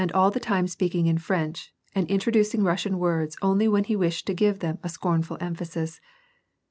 183 Thus he went on^ all the time speaking in French, and in troducing Russian words only when he wished to give them a scornful emphasis.